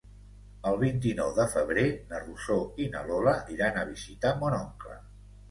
El vint-i-nou de febrer na Rosó i na Lola iran a visitar mon oncle.